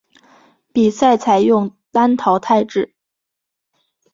比赛采用单淘汰制。